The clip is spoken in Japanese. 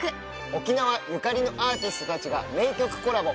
沖縄ゆかりのアーティストたちが名曲コラボ。